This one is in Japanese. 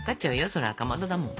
そりゃかまどだもの。